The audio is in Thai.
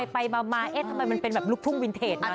ไปมาเอ๊ะทำไมมันเป็นแบบลูกทุ่งวินเทจนะ